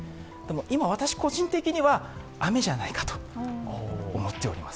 今、私、個人的には雨じゃないかと思っております。